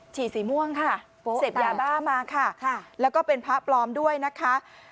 ฉี่สีม่วงค่ะเสพยาบ้ามาค่ะแล้วก็เป็นพระปลอมด้วยนะคะ